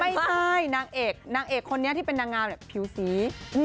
ไม่ใช่นางเอกนางเอกคนนี้ที่เป็นนางงามผิวสี